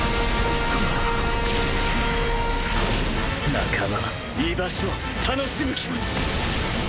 仲間居場所楽しむ気持ち。